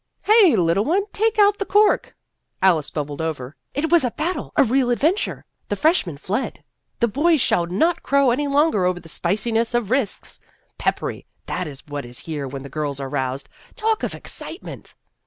" Hey ! little one, take out the cork." Alice bubbled over. " It was a battle ! A real adventure ! The freshmen fled ! The boys shall not crow any longer over the spiciness of risks. Peppery that is what it is here when the girls are roused. Talk of excitement